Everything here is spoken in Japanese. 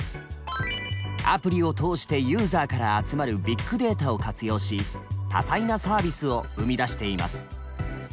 アプリを通してユーザーから集まるビッグデータを活用し多彩なサービスを生み出しています。